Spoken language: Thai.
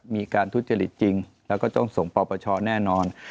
มีการทุจริตจริงแล้วก็ต้องส่งปปชแน่นอน